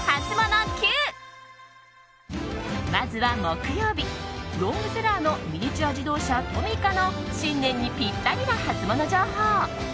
まずは木曜日、ロングセラーのミニチュア自動車トミカの新年にピッタリなハツモノ情報。